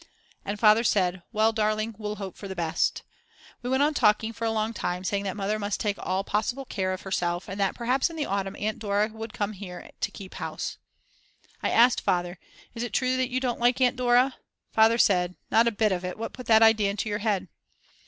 And Father said: "Well, darling, we'll hope for the best." We went on talking for a long time, saying that Mother must take all possible care of herself, and that perhaps in the autumn Aunt Dora would come here to keep house. I asked Father, "Is it true that you don't like Aunt Dora?" Father said: "Not a bit of it, what put that idea into your head?"